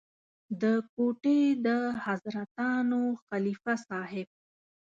د کوټې د حضرتانو خلیفه صاحب.